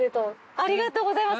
ありがとうございます。